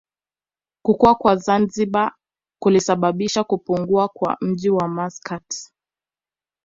Kukua kwa Zanzibar kulisababisha kupungua kwa mji wa Maskat